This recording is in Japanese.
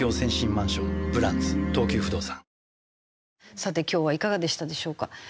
さて今日はいかがでしたでしょうか？